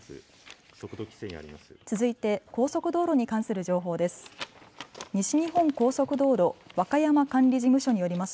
続いて高速道路に関する情報です。